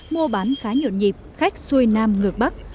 mua bán khá nhộn nhịp khách xuôi nam ngược bắc